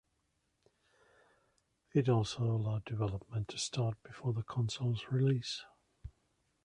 It also allowed development to start before the console's release.